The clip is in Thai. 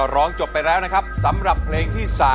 ร้องได้ร้องได้ร้องได้